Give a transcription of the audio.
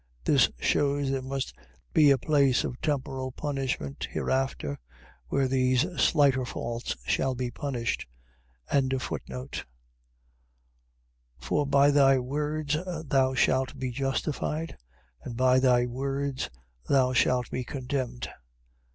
. .This shews there must be a place of temporal punishment hereafter where these slighter faults shall be punished. 12:37. For by thy words thou shalt be justified, and by thy words thou shalt be condemned.